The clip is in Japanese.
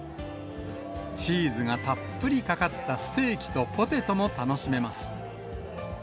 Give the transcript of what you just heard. チーズがたっぷりかかったステーキとポテトも楽しめます。